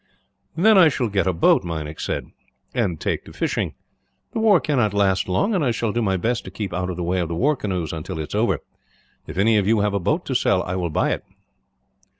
"Then I shall get a boat," he said, "and take to fishing. The war cannot last long, and I shall do my best to keep out of the way of the war canoes, until it is over. If any of you have a boat to sell, I will buy it."